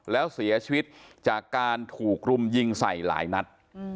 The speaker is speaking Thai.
แล้วเสียชีวิตจากการถูกรุมยิงใส่หลายนัด